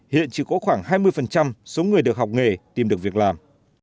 hiện chỉ có khoảng hai mươi số người được học nghề tìm được việc làm